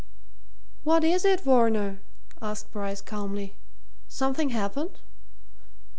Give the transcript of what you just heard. "What is it, Varner?" asked Bryce calmly. "Something happened?"